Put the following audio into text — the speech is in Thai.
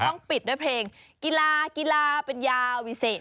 ต้องปิดด้วยเพลงกีฬากีฬาเป็นยาวิเศษ